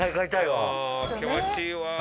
気持ちいいわ。